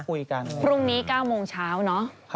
พรุ่งนี้๙โมงเช้าเนอะ